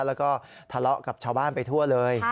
แล้วก็ทะเลาะกับชาวบ้านไปทั่วเลย